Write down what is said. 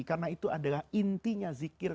karena itu adalah intinya zikir